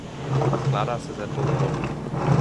Skládá se ze dvou kol.